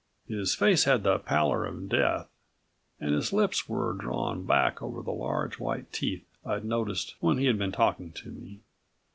His face had the pallor of death and his lips were drawn back over the large white teeth I'd noticed when he'd been talking to me.